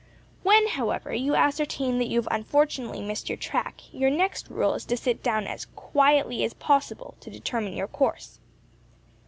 "When, however, you ascertain that you have unfortunately missed your track, your next rule is to sit down as quietly as possible to determine your course.